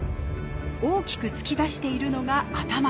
大きく突き出しているのが頭。